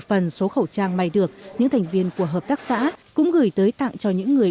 phần số khẩu trang may được những thành viên của hợp tác xã cũng gửi tới tặng cho những người